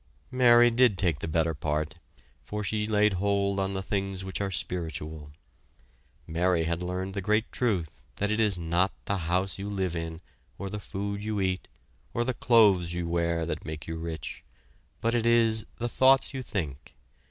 Mary did take the better part, for she laid hold on the things which are spiritual. Mary had learned the great truth that it is not the house you live in or the food you eat, or the clothes you wear that make you rich, but it is the thoughts you think.